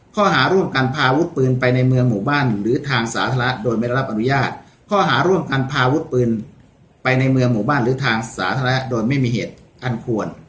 ข้อหาร่วมกันพาอาวุธปืนไปในเมืองหมู่บ้านหรือทางสาธารณะโดยไม่ได้รับอนุญาตข้อหาร่วมกันพาวุฒิปืนไปในเมืองหมู่บ้านหรือทางสาธารณะโดยไม่มีเหตุอันควร